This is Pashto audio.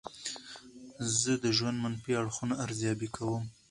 زه د ژوند منفي اړخونه ارزیابي کوم.